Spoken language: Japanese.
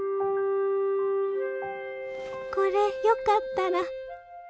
これよかったら。